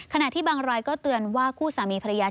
ขณะที่บางรายก็เตือนว่าคู่สามีภรรยา